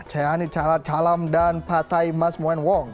ceyhani calam dan patai mas muen wong